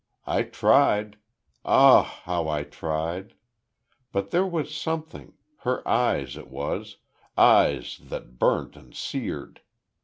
I tried! Ah, how I tried! But there was something her eyes, it was eyes that burnt and seared!